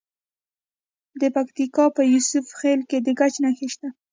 د پکتیکا په یوسف خیل کې د ګچ نښې شته.